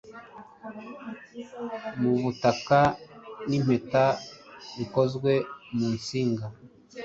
Mu butaka nimpeta bikozwe mu nsinga